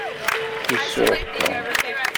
Isuɣ Tom.